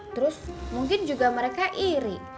terus mungkin juga mereka iri